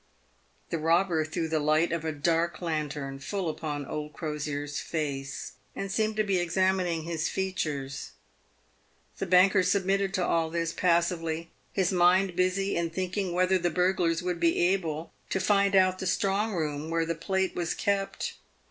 The robber threw the light of a dark lantern full upon old Crosier's face, and seemed to be examining his features. The banker submitted to all this passively, his mind busy in thinking whether the burglars would be able to find out the strong room where the plate was kept.